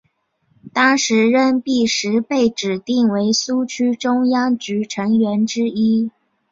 当时任弼时被指定为苏区中央局成员之一。